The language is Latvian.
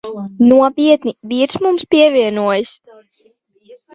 Nopietni. Vīrs mums pievienojas.